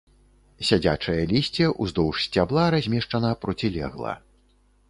Сядзячае лісце ўздоўж сцябла размешчана процілегла.